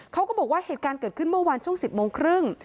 เขาก็บอกว่าเหตุการณ์เกิดขึ้นเมื่อวานช่วง๑๐โมงครึ่ง